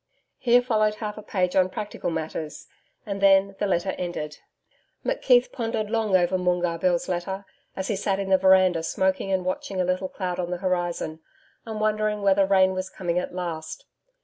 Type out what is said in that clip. Here followed half a page on practical matters, and then the letter ended. McKeith pondered long over Moongarr Bill's letter, as he sat in the veranda smoking and watching a little cloud on the horizon, and wondering whether rain was coming at last....